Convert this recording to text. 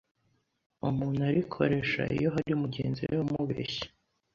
Umuntu arikoresha iyo hari mugenzi we ‘wamubeshye’.